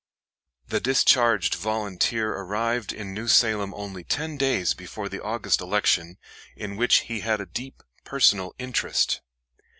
] The discharged volunteer arrived in New Salem only ten days before the August election, in which he had a deep personal interest.